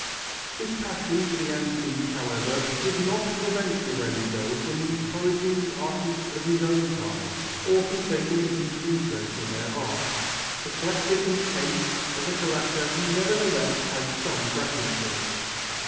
This passion for the antique, however, did not prevent Lorenzo from encouraging the artists of his own time or from taking a deep interest in their art. Eclectic in taste, as a collector he nevertheless had some preferences.